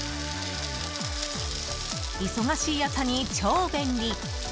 忙しい朝に超便利。